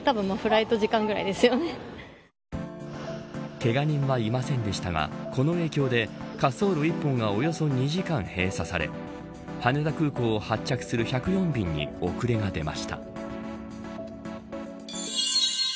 けが人はいませんでしたがこの影響で滑走路１本がおよそ２時間閉鎖され羽田空港を発着する１０４便に遅れが出ま